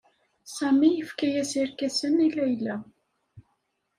Sami yefka-as irkasen i Layla.